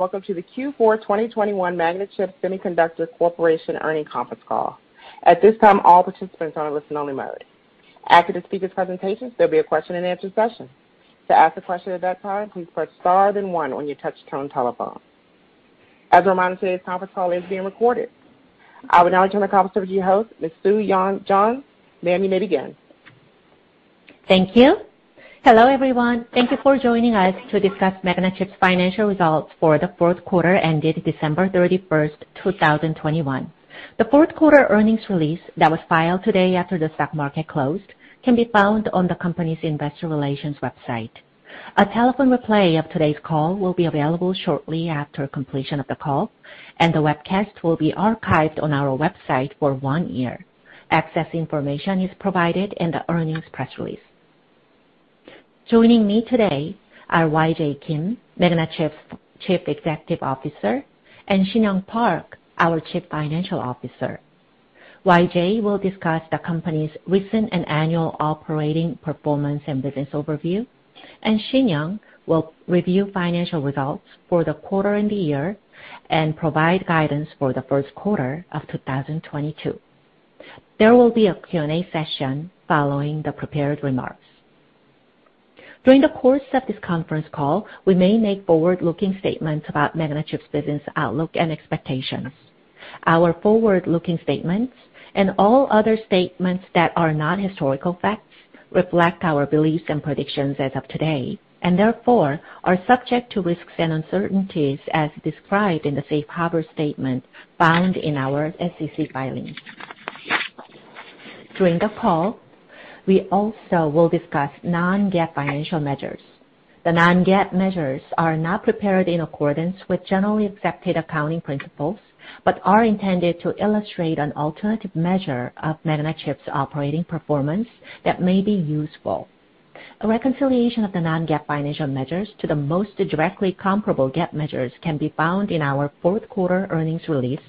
Welcome to the Q4 2021 Magnachip Semiconductor Corporation earnings conference call. At this time, all participants are on a listen-only mode. After the speaker's presentations, there'll be a question-and-answer session. To ask a question at that time, please press star then one on your touch tone telephone. As a reminder, today's conference call is being recorded. I will now turn the conference over to your host, Ms. So-Yeon Jeong. Ma'am, you may begin Thank you. Hello, everyone. Thank you for joining us to discuss Magnachip's financial results for the fourth quarter ended December 31, 2021. The fourth quarter earnings release that was filed today after the stock market closed can be found on the company's investor relations website. A telephone replay of today's call will be available shortly after completion of the call, and the webcast will be archived on our website for one year. Access information is provided in the earnings press release. Joining me today are YJ Kim, Magnachip's Chief Executive Officer, and Shinyoung Park, our Chief Financial Officer. YJ will discuss the company's recent and annual operating performance and business overview, and Shinyoung will review financial results for the quarter and the year and provide guidance for the first quarter of 2022. There will be a Q&A session following the prepared remarks. During the course of this conference call, we may make forward-looking statements about Magnachip's business outlook and expectations. Our forward-looking statements, and all other statements that are not historical facts, reflect our beliefs and predictions as of today, and therefore are subject to risks and uncertainties as described in the safe harbor statement found in our SEC filing. During the call, we also will discuss non-GAAP financial measures. The non-GAAP measures are not prepared in accordance with generally accepted accounting principles, but are intended to illustrate an alternative measure of Magnachip's operating performance that may be useful. A reconciliation of the non-GAAP financial measures to the most directly comparable GAAP measures can be found in our fourth quarter earnings release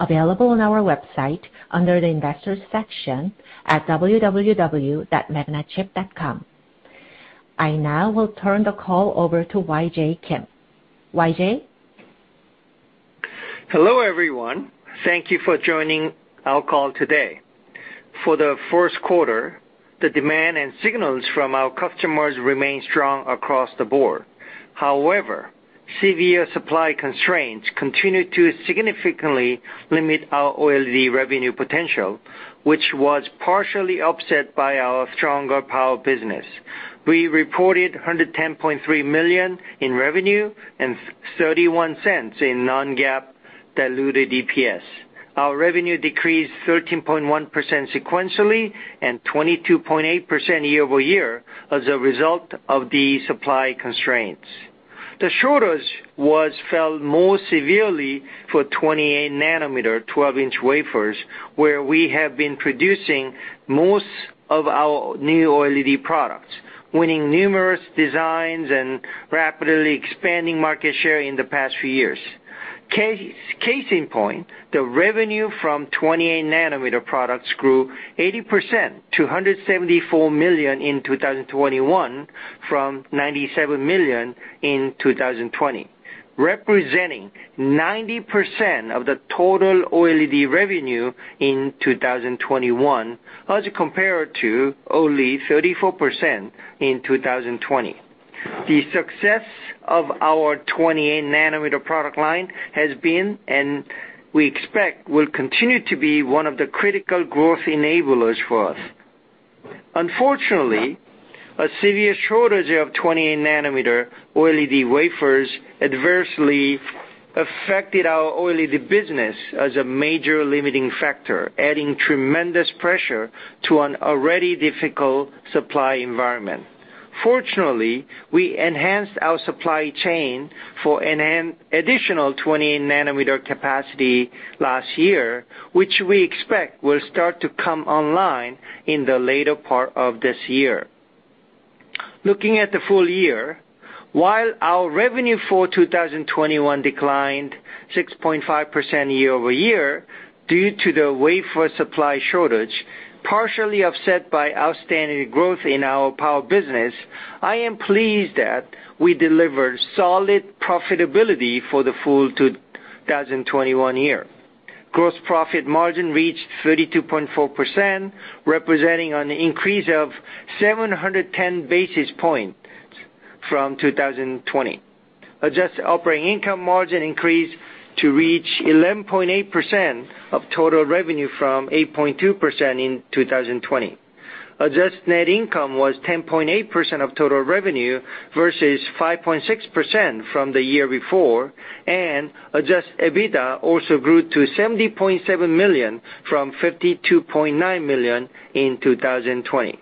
available on our website under the Investors section at magnachip.com. I now will turn the call over to YJ Kim. YJ? Hello, everyone. Thank you for joining our call today. For the first quarter, the demand and signals from our customers remain strong across the board. However, severe supply constraints continued to significantly limit our OLED revenue potential, which was partially offset by our stronger power business. We reported $110.3 million in revenue and $0.31 in non-GAAP diluted EPS. Our revenue decreased 13.1% sequentially and 22.8% year over year as a result of the supply constraints. The shortage was felt more severely for 28 nm 12-inch wafers, where we have been producing most of our new OLED products, winning numerous designs and rapidly expanding market share in the past few years. Case in point, the revenue from 28 nm products grew 80% to $174 million in 2021 from $97 million in 2020, representing 90% of the total OLED revenue in 2021 as compared to only 34% in 2020. The success of our 28 nm product line has been, and we expect will continue to be, one of the critical growth enablers for us. Unfortunately, a severe shortage of 28 nm OLED wafers adversely affected our OLED business as a major limiting factor, adding tremendous pressure to an already difficult supply environment. Fortunately, we enhanced our supply chain for an additional 20 nm capacity last year, which we expect will start to come online in the later part of this year. Looking at the full year, while our revenue for 2021 declined 6.5% year-over-year due to the wafer supply shortage, partially offset by outstanding growth in our power business, I am pleased that we delivered solid profitability for the full 2021 year. Gross profit margin reached 32.4%, representing an increase of 710 basis points from 2020. Adjusted operating income margin increased to reach 11.8% of total revenue from 8.2% in 2020. Adjusted net income was 10.8% of total revenue versus 5.6% from the year before, and adjusted EBITDA also grew to $70.7 million from $52.9 million in 2020.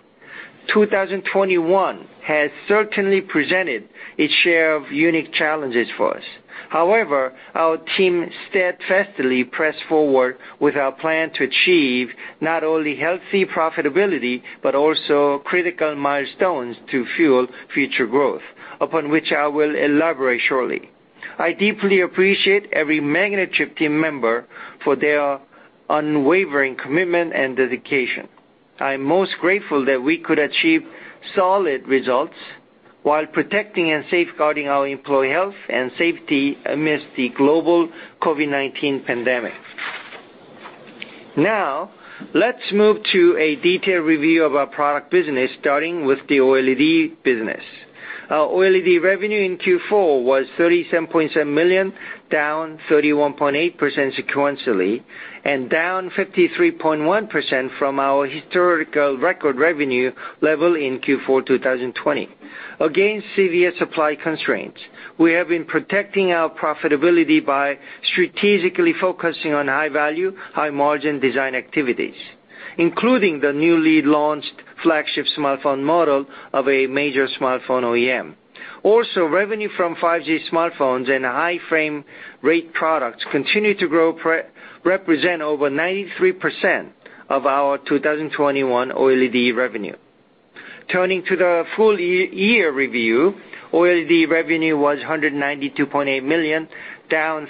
2021 has certainly presented its share of unique challenges for us. However, our team steadfastly pressed forward with our plan to achieve not only healthy profitability, but also critical milestones to fuel future growth, upon which I will elaborate shortly. I deeply appreciate every Magnachip team member for their unwavering commitment and dedication. I'm most grateful that we could achieve solid results while protecting and safeguarding our employee health and safety amidst the global COVID-19 pandemic. Now, let's move to a detailed review of our product business, starting with the OLED business. Our OLED revenue in Q4 was $37.7 million, down 31.8% sequentially, and down 53.1% from our historical record revenue level in Q4 2020. Against severe supply constraints, we have been protecting our profitability by strategically focusing on high-value, high-margin design activities, including the newly launched flagship smartphone model of a major smartphone OEM. Revenue from 5G smartphones and high frame rate products continue to grow, represent over 93% of our 2021 OLED revenue. Turning to the full-year review, OLED revenue was $192.8 million, down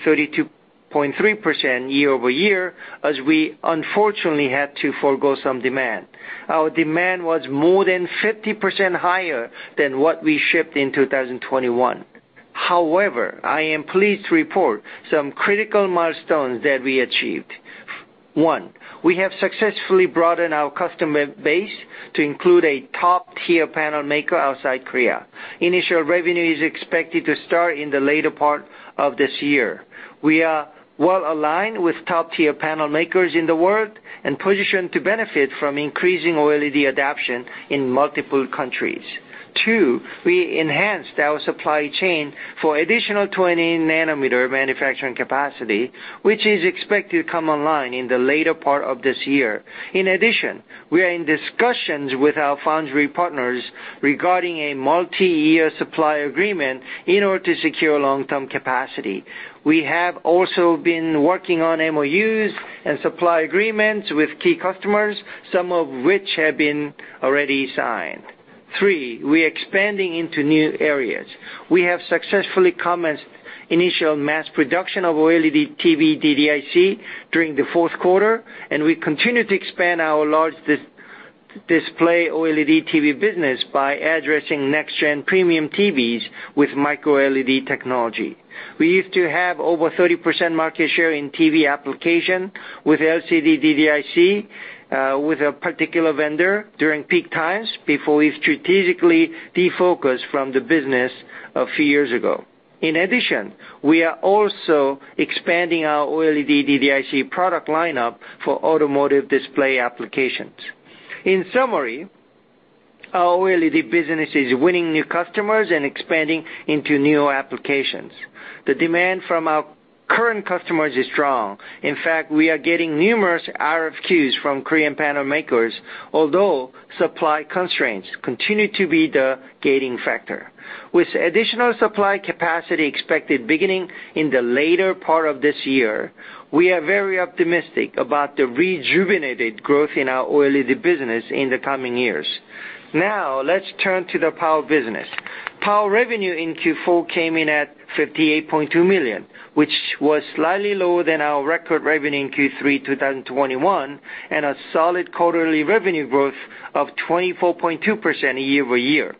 32.3% year-over-year, as we unfortunately had to forgo some demand. Our demand was more than 50% higher than what we shipped in 2021. However, I am pleased to report some critical milestones that we achieved. One, we have successfully broadened our customer base to include a top-tier panel maker outside Korea. Initial revenue is expected to start in the later part of this year. We are well-aligned with top-tier panel makers in the world and positioned to benefit from increasing OLED adoption in multiple countries. Two, we enhanced our supply chain for additional 20 nm manufacturing capacity, which is expected to come online in the later part of this year. In addition, we are in discussions with our foundry partners regarding a multi-year supply agreement in order to secure long-term capacity. We have also been working on MoUs and supply agreements with key customers, some of which have been already signed. Three, we're expanding into new areas. We have successfully commenced initial mass production of OLED TV DDIC during the fourth quarter, and we continue to expand our large display OLED TV business by addressing next-gen premium TVs with MicroLED technology. We used to have over 30% market share in TV application with LCD DDIC with a particular vendor during peak times before we strategically defocused from the business a few years ago. In addition, we are also expanding our OLED DDIC product lineup for automotive display applications. In summary, our OLED business is winning new customers and expanding into new applications. The demand from our current customers is strong. In fact, we are getting numerous RFQs from Korean panel makers, although supply constraints continue to be the gating factor. With additional supply capacity expected beginning in the later part of this year, we are very optimistic about the rejuvenated growth in our OLED business in the coming years. Now, let's turn to the Power business. Power revenue in Q4 came in at $58.2 million, which was slightly lower than our record revenue in Q3 2021, and a solid quarterly revenue growth of 24.2% year-over-year.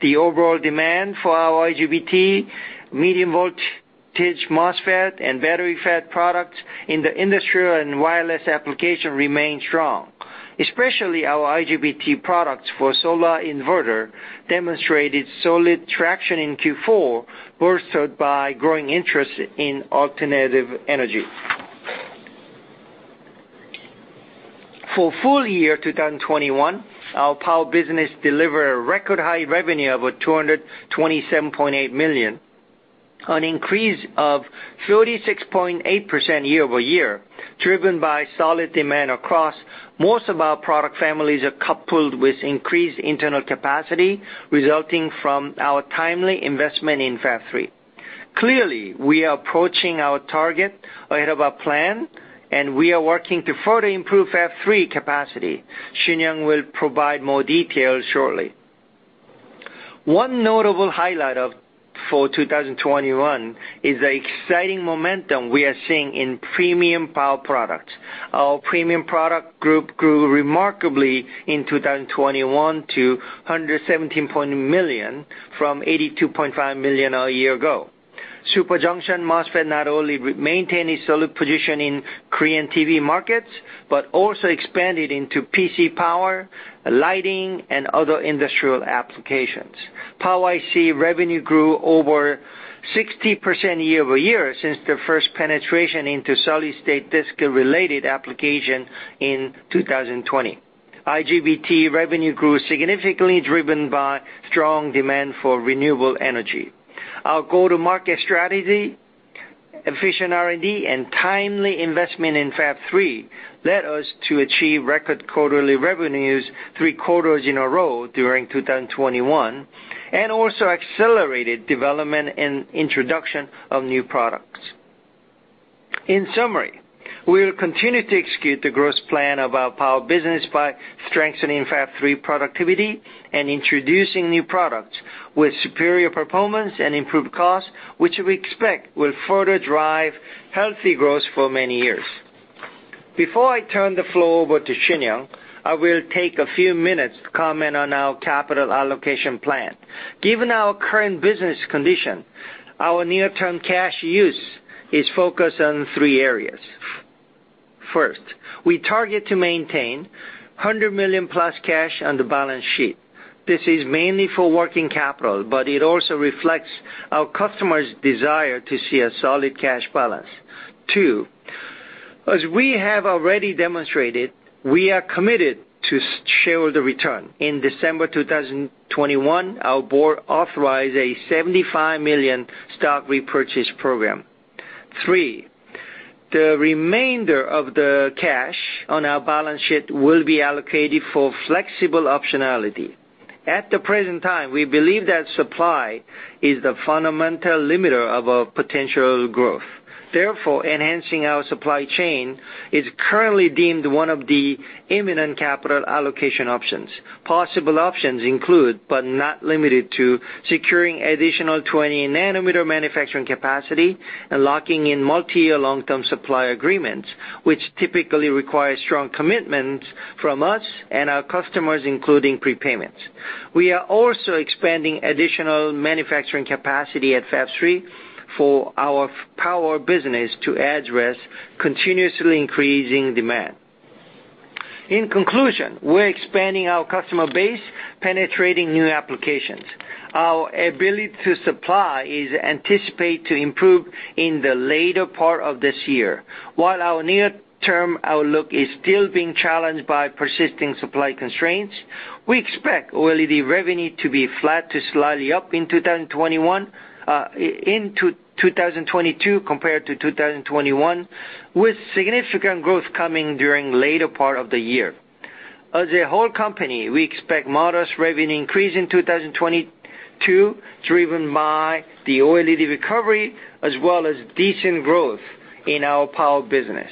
The overall demand for our IGBT, medium voltage MOSFET, and BatteryFET products in the industrial and wireless applications remain strong, especially our IGBT products for solar inverter demonstrated solid traction in Q4, bolstered by growing interest in alternative energy. For full year 2021, our Power business delivered a record high revenue of $227.8 million, an increase of 36.8% year-over-year, driven by solid demand across most of our product families, coupled with increased internal capacity resulting from our timely investment in Fab 3. Clearly, we are approaching our target ahead of our plan, and we are working to further improve Fab 3 capacity. Shinyoung will provide more details shortly. One notable highlight for 2021 is the exciting momentum we are seeing in premium power products. Our premium product group grew remarkably in 2021 to $117 million from $82.5 million a year ago. Super Junction MOSFET not only maintained its solid position in Korean TV markets but also expanded into PC power, lighting, and other industrial applications. Power IC revenue grew over 60% year-over-year since the first penetration into solid-state drive-related application in 2020. IGBT revenue grew significantly, driven by strong demand for renewable energy. Our go-to-market strategy, efficient R&D, and timely investment in Fab 3 led us to achieve record quarterly revenues three quarters in a row during 2021 and also accelerated development and introduction of new products. In summary, we will continue to execute the growth plan of our Power business by strengthening Fab 3 productivity and introducing new products with superior performance and improved cost, which we expect will further drive healthy growth for many years. Before I turn the floor over to Shinyoung, I will take a few minutes to comment on our capital allocation plan. Given our current business condition, our near-term cash use is focused on three areas. First, we target to maintain $100 million plus cash on the balance sheet. This is mainly for working capital, but it also reflects our customers' desire to see a solid cash balance. Two, as we have already demonstrated, we are committed to share the return. In December 2021, our board authorized a $75 million stock repurchase program. Three, the remainder of the cash on our balance sheet will be allocated for flexible optionality. At the present time, we believe that supply is the fundamental limiter of our potential growth. Therefore, enhancing our supply chain is currently deemed one of the imminent capital allocation options. Possible options include, but not limited to, securing additional 20 nm manufacturing capacity and locking in multi-year long-term supply agreements, which typically require strong commitment from us and our customers, including prepayments. We are also expanding additional manufacturing capacity at Fab 3 for our power business to address continuously increasing demand. In conclusion, we're expanding our customer base, penetrating new applications. Our ability to supply is anticipated to improve in the later part of this year. While our near-term outlook is still being challenged by persisting supply constraints, we expect OLED revenue to be flat to slightly up in 2022 compared to 2021, with significant growth coming during later part of the year. As a whole company, we expect modest revenue increase in 2022, driven by the OLED recovery as well as decent growth in our power business.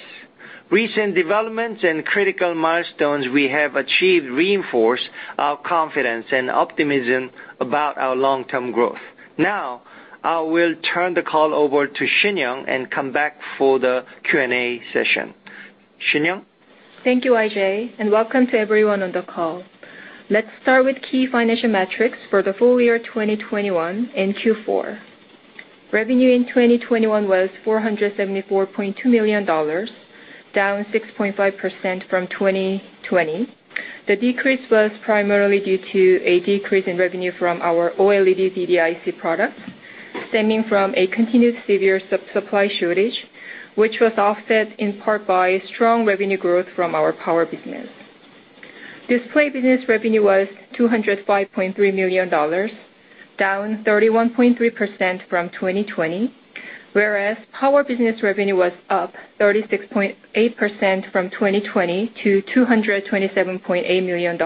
Recent developments and critical milestones we have achieved reinforce our confidence and optimism about our long-term growth. Now, I will turn the call over to Shinyoung and come back for the Q&A session. Shinyoung? Thank you, YJ, and welcome to everyone on the call. Let's start with key financial metrics for the full year 2021 and Q4. Revenue in 2021 was $474.2 million, down 6.5% from 2020. The decrease was primarily due to a decrease in revenue from our OLED DDIC products, stemming from a continued severe supply shortage, which was offset in part by strong revenue growth from our power business. Display business revenue was $205.3 million, down 31.3% from 2020, whereas power business revenue was up 36.8% from 2020 to $227.8 million.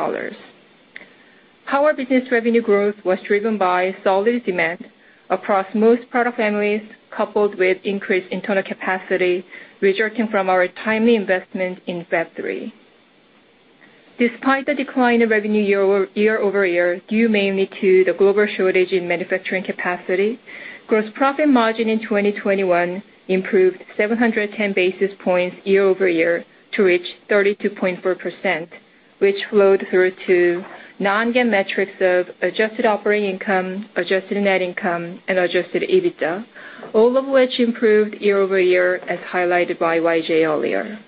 Power business revenue growth was driven by solid demand across most product families, coupled with increased internal capacity resulting from our timely investment in Fab 3. Despite the decline in revenue year-over-year, due mainly to the global shortage in manufacturing capacity, gross profit margin in 2021 improved 710 basis points year-over-year to reach 32.4%, which flowed through to non-GAAP metrics of adjusted operating income, adjusted net income, and adjusted EBITDA, all of which improved year-over-year as highlighted by YJ earlier.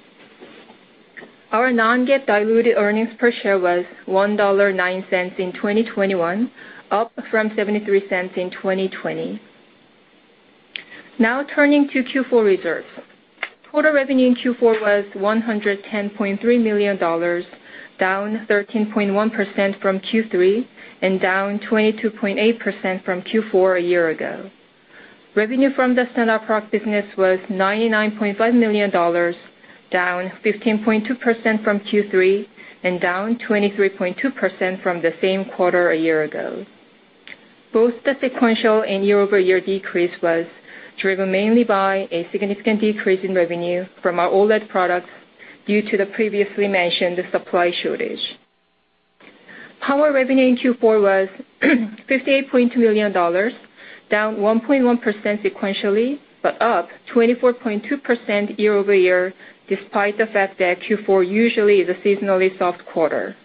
Our non-GAAP diluted earnings per share was $1.09 in 2021, up from $0.73 in 2020. Now turning to Q4 results. Total revenue in Q4 was $110.3 million, down 13.1% from Q3 and down 22.8% from Q4 a year ago. Revenue from the standard product business was $99.5 million, down 15.2% from Q3 and down 23.2% from the same quarter a year ago. Both the sequential and year-over-year decrease was driven mainly by a significant decrease in revenue from our OLED products due to the previously mentioned supply shortage. Power revenue in Q4 was $58.2 million, down 1.1% sequentially, but up 24.2% year over year, despite the fact that Q4 usually is a seasonally soft quarter.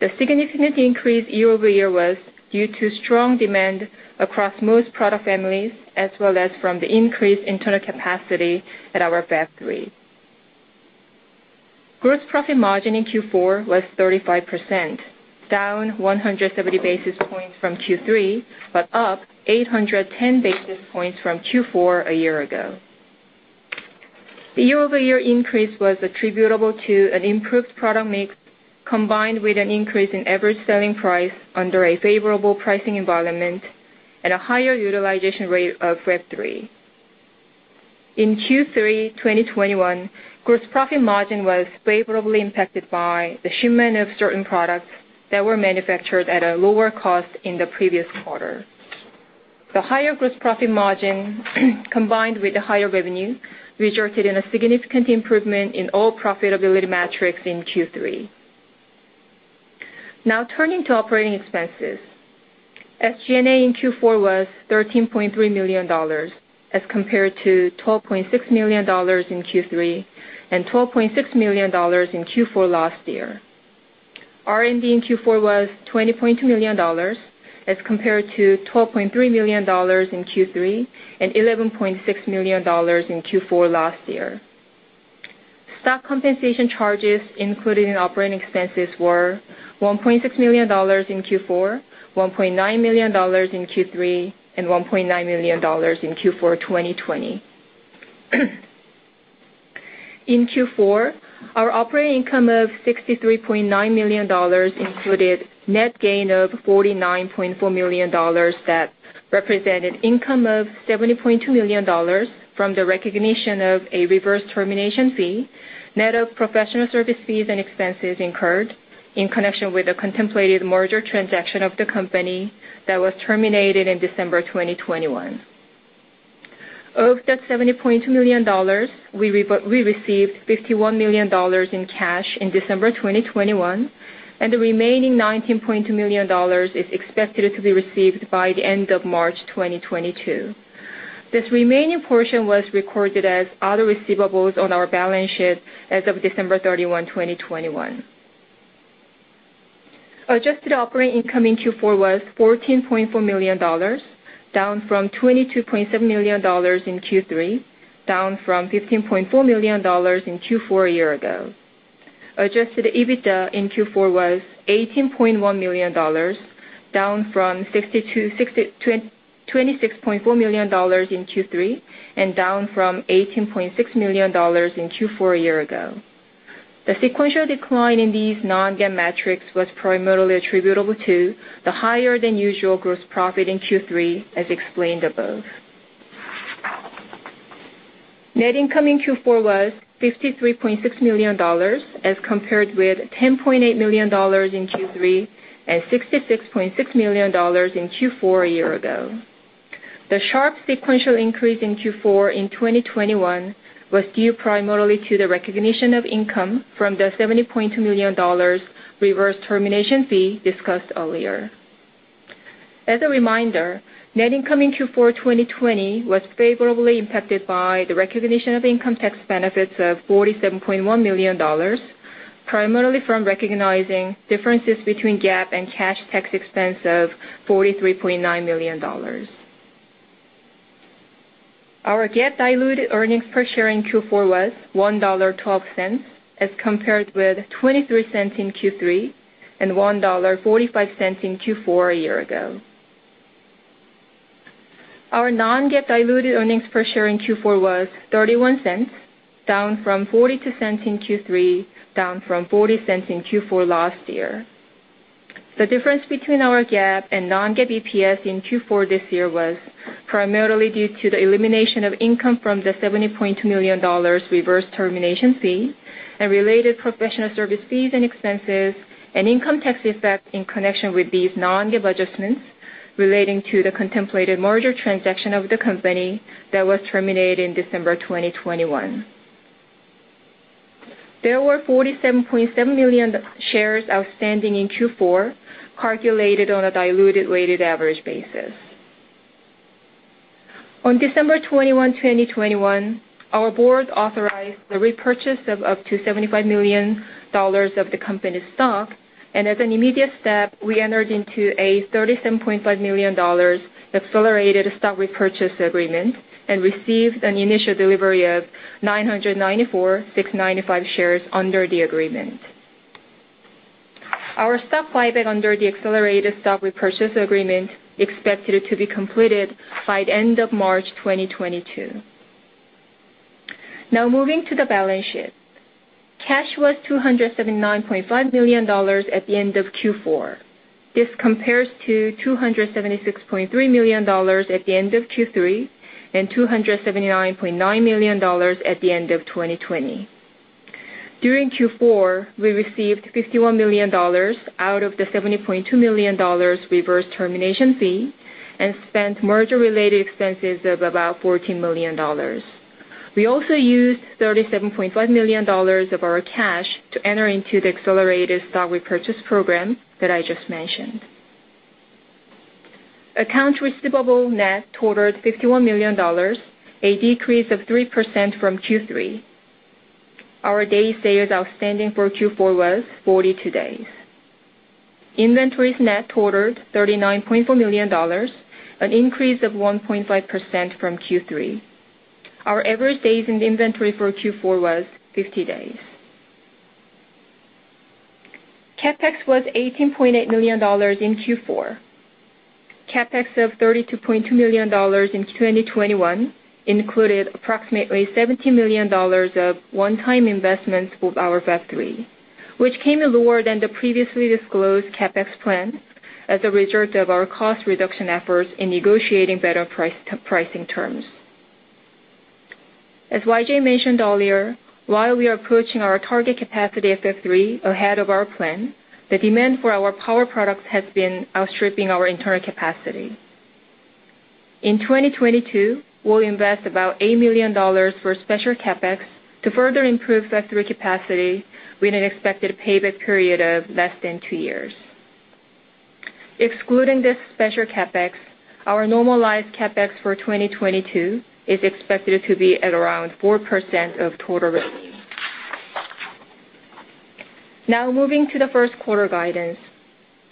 The significant increase year-over-year was due to strong demand across most product families as well as from the increased internal capacity at our Fab 3. Gross profit margin in Q4 was 35%, down 170 basis points from Q3, but up 810 basis points from Q4 a year ago. The year-over-year increase was attributable to an improved product mix, combined with an increase in average selling price under a favorable pricing environment and a higher utilization rate of Fab 3. In Q3 2021, gross profit margin was favorably impacted by the shipment of certain products that were manufactured at a lower cost in the previous quarter. The higher gross profit margin combined with the higher revenue resulted in a significant improvement in all profitability metrics in Q3. Now turning to operating expenses. SG&A in Q4 was $13.3 million as compared to $12.6 million in Q3 and $12.6 million in Q4 last year. R&D in Q4 was $20.2 million as compared to $12.3 million in Q3 and $11.6 million in Q4 last year. Stock compensation charges included in operating expenses were $1.6 million in Q4, $1.9 million in Q3, and $1.9 million in Q4 2020. In Q4, our operating income of $63.9 million included net gain of $49.4 million that represented income of $70.2 million from the recognition of a reverse termination fee, net of professional service fees and expenses incurred in connection with the contemplated merger transaction of the company that was terminated in December 2021. Of that $70.2 million, we received $51 million in cash in December 2021, and the remaining $19.2 million is expected to be received by the end of March 2022. This remaining portion was recorded as other receivables on our balance sheet as of December 31, 2021. Adjusted operating income in Q4 was $14.4 million, down from $22.7 million in Q3, down from $15.4 million in Q4 a year ago. Adjusted EBITDA in Q4 was $18.1 million, down from $26.4 million in Q3, and down from $18.6 million in Q4 a year ago. The sequential decline in these non-GAAP metrics was primarily attributable to the higher than usual gross profit in Q3, as explained above. Net income in Q4 was $53.6 million, as compared with $10.8 million in Q3 and $66.6 million in Q4 a year ago. The sharp sequential increase in Q4 2021 was due primarily to the recognition of income from the $70.2 million reverse termination fee discussed earlier. As a reminder, net income in Q4 2020 was favorably impacted by the recognition of income tax benefits of $47.1 million, primarily from recognizing differences between GAAP and cash tax expense of $43.9 million. Our GAAP diluted earnings per share in Q4 was $1.12, as compared with $0.23 in Q3 and $1.45 in Q4 a year ago. Our non-GAAP diluted earnings per share in Q4 was $0.31, down from $0.42 in Q3, down from $0.40 in Q4 last year. The difference between our GAAP and non-GAAP EPS in Q4 this year was primarily due to the elimination of income from the $70.2 million reverse termination fee and related professional service fees and expenses and income tax effect in connection with these non-GAAP adjustments relating to the contemplated merger transaction of the company that was terminated in December 2021. There were 47.7 million shares outstanding in Q4, calculated on a diluted weighted average basis. On December 21, 2021, our board authorized the repurchase of up to $75 million of the company's stock, and as an immediate step, we entered into a $37.5 million accelerated stock repurchase agreement and received an initial delivery of 994,695 shares under the agreement. Our stock buyback under the accelerated stock repurchase agreement expected to be completed by the end of March 2022. Now moving to the balance sheet. Cash was $279.5 million at the end of Q4. This compares to $276.3 million at the end of Q3 and $279.9 million at the end of 2020. During Q4, we received $51 million out of the $70.2 million reverse termination fee and spent merger-related expenses of about $14 million. We also used $37.5 million of our cash to enter into the accelerated stock repurchase program that I just mentioned. Accounts receivable net totaled $51 million, a decrease of 3% from Q3. Our days sales outstanding for Q4 was 42 days. Inventories net totaled $39.4 million, an increase of 1.5% from Q3. Our average days in inventory for Q4 was 50 days. CapEx was $18.8 million in Q4. CapEx of $32.2 million in 2021 included approximately $17 million of one-time investments with our Fab 3, which came in lower than the previously disclosed CapEx plan as a result of our cost reduction efforts in negotiating better pricing terms. As YJ mentioned earlier, while we are approaching our target capacity of Fab 3 ahead of our plan, the demand for our power products has been outstripping our internal capacity. In 2022, we'll invest about $8 million for special CapEx to further improve factory capacity with an expected payback period of less than two years. Excluding this special CapEx, our normalized CapEx for 2022 is expected to be at around 4% of total. Now moving to the first quarter guidance.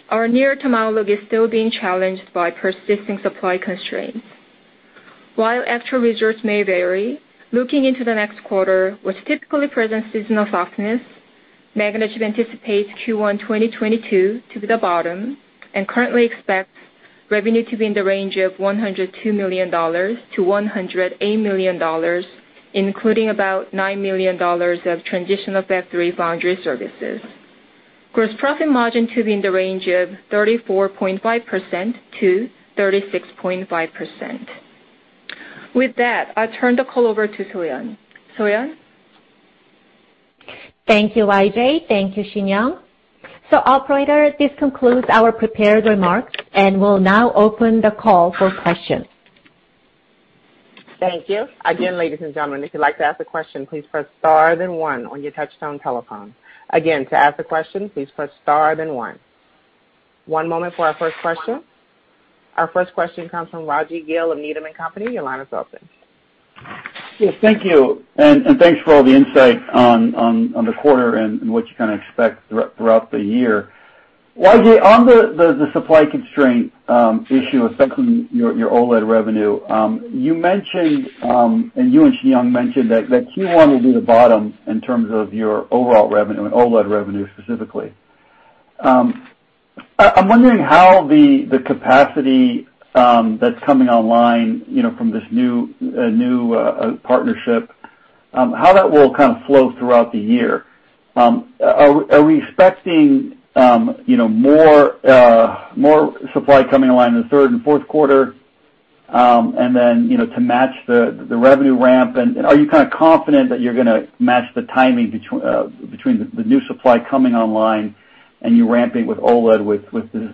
Our near-term outlook is still being challenged by persisting supply constraints. While actual results may vary, looking into the next quarter, which typically presents seasonal softness, management anticipates Q1 2022 to be the bottom and currently expects revenue to be in the range of $102 million-$108 million, including about $9 million of transitional factory foundry services. Gross profit margin to be in the range of 34.5%-36.5%. With that, I'll turn the call over to So-Yeon. So-Yeon? Thank you, YJ. Thank you, Shinyoung. Operator, this concludes our prepared remarks, and we'll now open the call for questions. Thank you. Again, ladies and gentlemen, if you'd like to ask a question, please press star then one on your touchtone telephone. Again, to ask a question, please press star then one. One moment for our first question. Our first question comes from Raji Gill of Needham & Company. Your line is open. Yes, thank you. Thanks for all the insight on the quarter and what you kinda expect throughout the year. YJ, on the supply constraint issue affecting your OLED revenue, you mentioned and you and Shinyoung mentioned that Q1 will be the bottom in terms of your overall revenue and OLED revenue specifically. I'm wondering how the capacity that's coming online, you know, from this new partnership, how that will kind of flow throughout the year. Are we expecting, you know, more supply coming online in the third and fourth quarter, and then, you know, to match the revenue ramp? Are you kinda confident that you're gonna match the timing between the new supply coming online and you ramping with OLED with this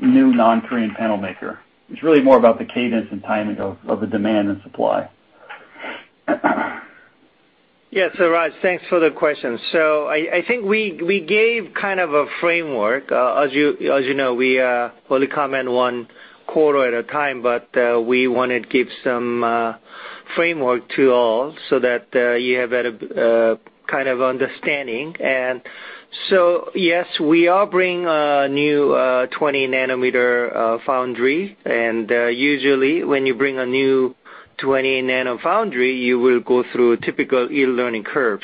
new non-Korean panel maker? It's really more about the cadence and timing of the demand and supply. Yes, Raji, thanks for the question. I think we gave kind of a framework. As you know, we only comment one quarter at a time, but we wanna give some framework to all so that you have a kind of understanding. Yes, we are bringing a new 28 nm foundry. Usually when you bring a new 28 nm foundry, you will go through a typical yield learning curve.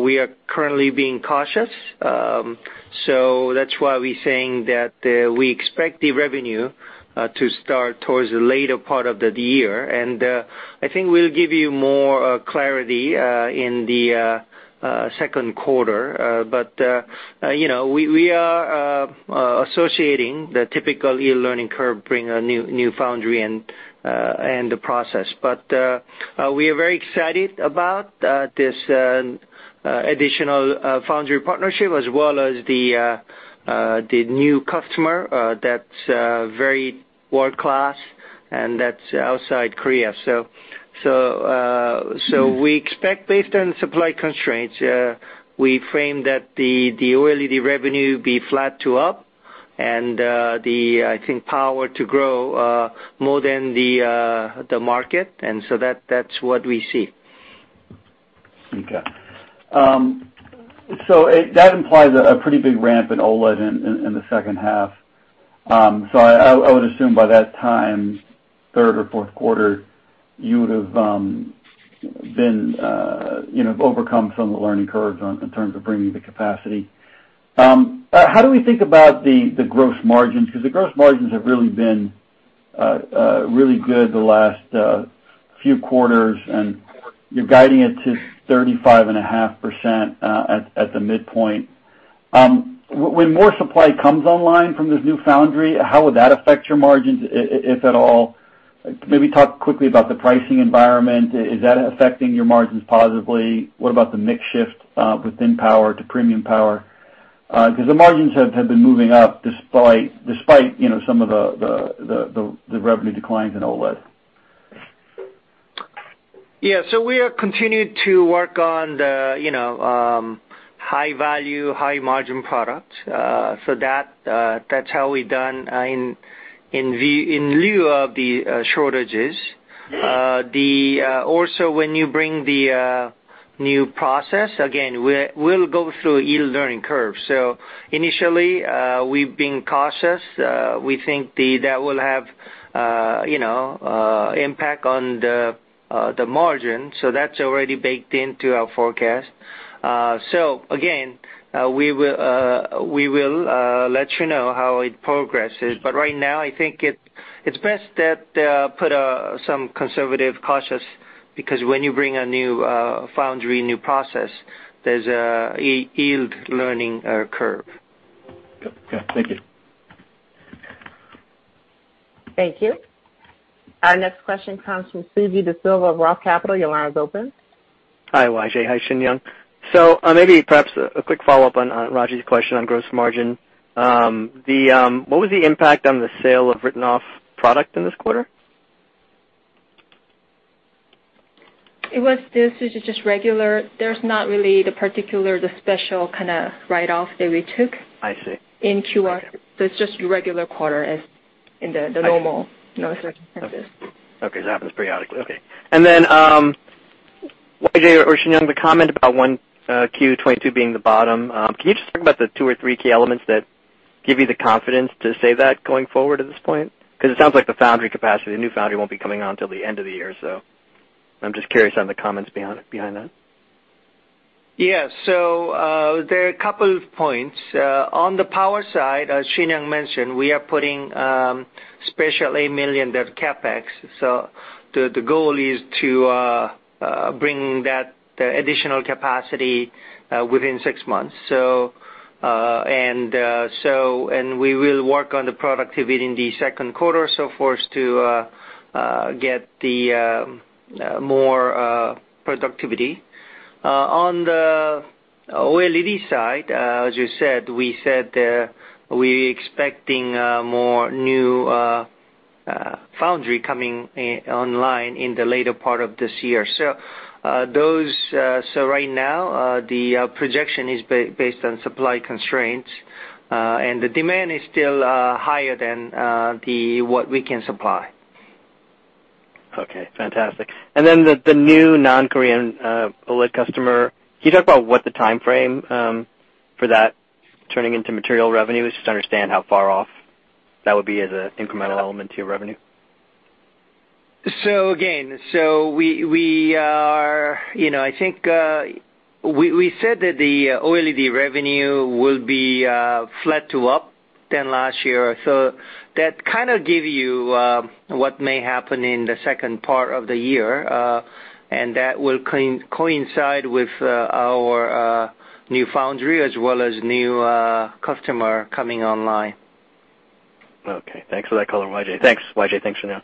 We are currently being cautious. That's why we're saying that we expect the revenue to start towards the later part of the year. I think we'll give you more clarity in the second quarter. You know, we are associating the typical yield learning curve, bringing a new foundry and the process. We are very excited about this additional foundry partnership as well as the new customer that's very world-class and that's outside Korea. We expect, based on supply constraints, we frame that the OLED revenue be flat to up and the power, I think, to grow more than the market. That's what we see. Okay. That implies a pretty big ramp in OLED in the second half. I would assume by that time, third or fourth quarter, you would've been, you know, overcome some of the learning curves in terms of bringing the capacity. How do we think about the gross margins? 'Cause the gross margins have really been really good the last few quarters, and you're guiding it to 35.5% at the midpoint. When more supply comes online from this new foundry, how would that affect your margins if at all? Maybe talk quickly about the pricing environment. Is that affecting your margins positively? What about the mix shift within power to premium power? 'Cause the margins have been moving up despite, you know, some of the revenue declines in OLED. Yeah. We are continued to work on the, you know, high value, high margin product. That's how we done in lieu of the shortages. Also, when you bring the new process, again, we'll go through yield learning curve. Initially, we've been cautious. We think that will have, you know, impact on the margin, so that's already baked into our forecast. Again, we will let you know how it progresses. Right now, I think it's best that put some conservative cautious because when you bring a new foundry, a new process, there's a yield learning curve. Okay. Thank you. Thank you. Our next question comes from Suji Desilva of Roth Capital. Your line is open. Hi, YJ. Hi, Shinyoung. Maybe perhaps a quick follow-up on Raji's question on gross margin. What was the impact on the sale of written-off product in this quarter? It's just regular. There's not really the special kinda write-off that we took. I see. in Q1. It's just your regular quarter as in the normal, you know, circumstances. Okay. It happens periodically. Okay. Then, YJ or Shinyoung, the comment about 1Q 2022 being the bottom, can you just talk about the two or three key elements that give you the confidence to say that going forward at this point? 'Cause it sounds like the foundry capacity, the new foundry won't be coming on till the end of the year. So I'm just curious on the comments behind that. Yes. There are a couple of points. On the power side, as Shinyoung mentioned, we are putting special $8 million of CapEx. The goal is to bring the additional capacity within six months. We will work on the productivity in the second quarter, so for us to get more productivity. On the OLED side, as you said, we're expecting more new foundry coming online in the later part of this year. Right now, the projection is based on supply constraints. The demand is still higher than what we can supply. Okay. Fantastic. The new non-Korean OLED customer, can you talk about what the timeframe for that turning into material revenues? Just to understand how far off that would be as a incremental element to your revenue. You know, I think we said that the OLED revenue will be flat to up than last year. That kind of give you what may happen in the second part of the year. That will coincide with our new foundry as well as new customer coming online. Okay. Thanks for that color, YJ. Thanks, YJ. Thanks, Shinyoung.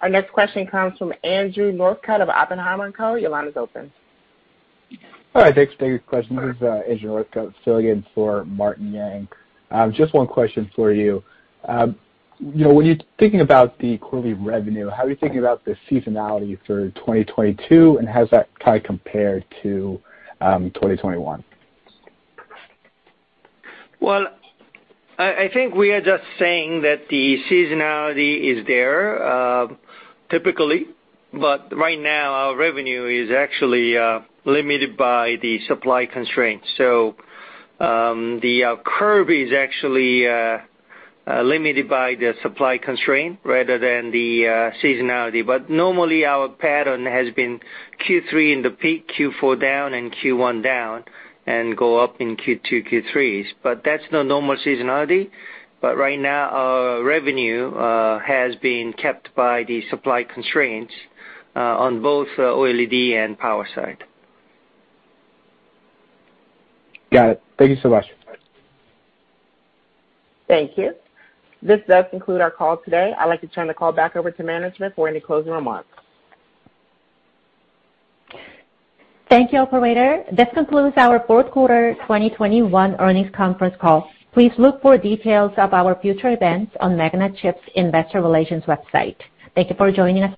Our next question comes from Andrew Northcutt of Oppenheimer & Co. Your line is open. All right. Thanks. Thanks for your question. This is Andrew Northcutt, filling in for Martin Yang. Just one question for you. You know, when you're thinking about the quarterly revenue, how are you thinking about the seasonality for 2022, and how does that kind of compare to 2021? Well, I think we are just saying that the seasonality is there, typically, but right now our revenue is actually limited by the supply constraints. The curve is actually limited by the supply constraint rather than the seasonality. Normally, our pattern has been Q3 in the peak, Q4 down, and Q1 down, and go up in Q2, Q3's. That's the normal seasonality. Right now, our revenue has been kept by the supply constraints on both OLED and power side. Got it. Thank you so much. Thank you. This does conclude our call today. I'd like to turn the call back over to management for any closing remarks. Thank you, operator. This concludes our fourth quarter 2021 earnings conference call. Please look for details of our future events on Magnachip's investor relations website. Thank you for joining us today.